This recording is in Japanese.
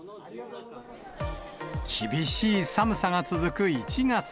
厳しい寒さが続く１月。